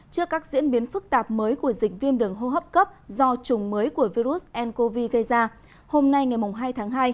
trước các diễn biến phức tạp mới của dịch viêm đường hô hấp cấp do chủng mới của virus ncov gây ra hôm nay ngày hai tháng hai